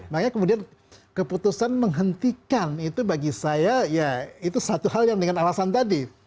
makanya kemudian keputusan menghentikan itu bagi saya ya itu satu hal yang dengan alasan tadi